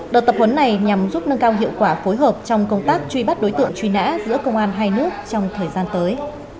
đợt tập huấn này nhằm giúp nâng cao hiệu quả phối hợp trong công tác truy bắt đối tượng truy nã giữa công an hai nước trong thời gian tới